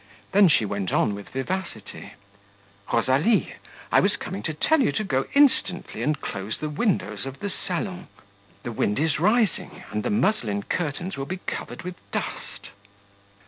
Then she went on with vivacity: "Rosalie, I was coming to tell you to go instantly and close the windows of the salon; the wind is rising, and the muslin curtains will be covered with dust."